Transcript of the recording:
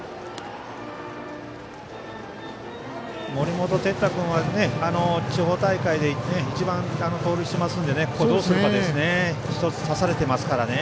森本哲太君は地方大会で一番、盗塁してますのでここをどうするかですね。